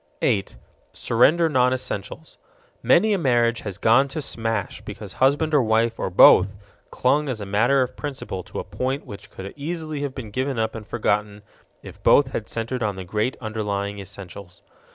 8. Surrender nonessentials. Many a marriage has gone to smash because husband or wife or both clung as a matter of principle to a point which could easily have been given up and forgotten if both had centered on the great underlying essentials.